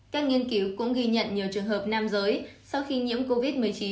các nghiên cứu cũng ghi nhận nhiều trường hợp nam giới sau khi nhiễm covid một mươi chín